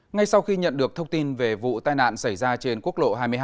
ngay sau khi nhận được thông tin về vụ tai nạn xảy ra trên quốc lộ hai mươi hai